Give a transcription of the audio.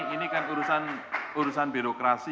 ini kan urusan birokrasi